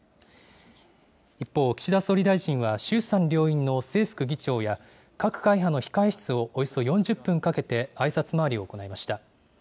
一方、岸田総理大臣は、衆参両院の正副議長や各会派の控え室をおよそ４０分かけてあいさつ回りを行いました。